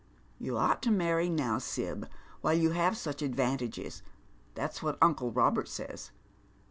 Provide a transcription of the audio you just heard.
You ought to marry now. Sib, while you have such advantages ; that's what uncle Eobert says.